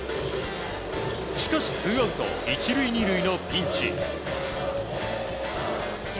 しかし、ツーアウト１塁２塁のピンチ。